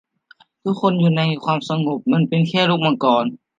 ทุกคนอยู่ในความสงบ มันเป็นแค่ลูกมังกร